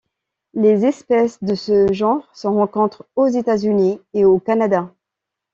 Les espèces de ce genre se rencontrent aux États-Unis et au Canada.